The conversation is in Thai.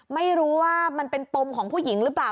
ไม่รู้ว่ามันเป็นปมของผู้หญิงหรือเปล่า